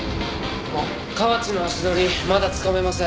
河内の足取りまだつかめません。